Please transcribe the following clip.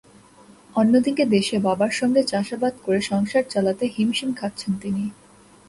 অন্যদিকে দেশে বাবার সঙ্গে চাষাবাদ করে সংসার চালাতে হিমশিম খাচ্ছেন তিনি।